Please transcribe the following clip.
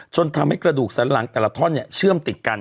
ทำให้กระดูกสันหลังแต่ละท่อนเชื่อมติดกัน